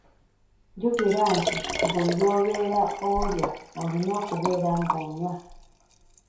Jjukira nti buli lw'obeera olya olina okubeera nga onywa.